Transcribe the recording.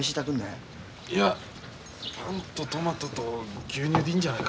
いやパンとトマトと牛乳でいいんじゃないか？